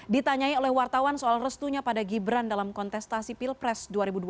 ditanyai oleh wartawan soal restunya pada gibran dalam kontestasi pilpres dua ribu dua puluh